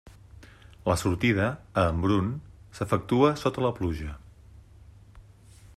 La sortida, a Embrun, s'efectua sota la pluja.